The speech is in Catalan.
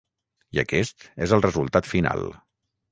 I aquest és el resultat final.